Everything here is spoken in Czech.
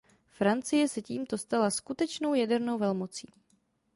Francie se tímto stala skutečnou jadernou velmocí.